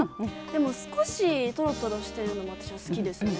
でも少しとろとろしてるのも私は好きですね。